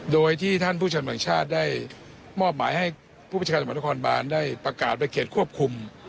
โดยที่ท่านผู้ชมแห่งชาติได้มอบหมายให้ผู้ประชาการตำรวจนครบานได้ประกาศไปเขตควบคุม